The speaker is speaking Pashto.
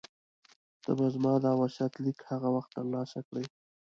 ته به زما دا وصیت لیک هغه وخت ترلاسه کړې.